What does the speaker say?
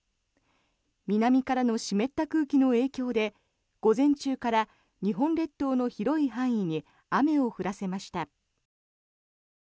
南からの湿った空気の影響で午前中から日本列島の広い範囲に雨を降らせました。